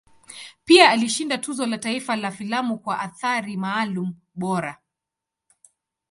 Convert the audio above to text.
Pia alishinda Tuzo la Taifa la Filamu kwa Athari Maalum Bora.